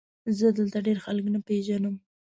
زه دلته ډېر خلک نه پېژنم ؟